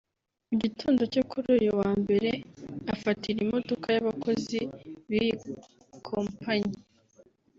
mu gitondo cyo kuri uyu wa mbere afatira imodoka y’abakozi b’iyi kompanyi